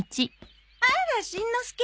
あらしんのすけ。